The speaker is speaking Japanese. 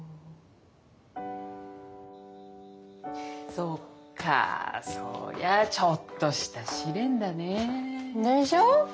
そっかそりゃちょっとした試練だねえ。でしょ？